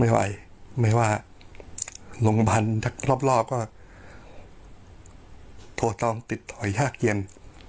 ไม่ไหวไม่ว่าโรงพยาบาลจักรรอบก็โทรต้องติดถอยห้าเกียรติ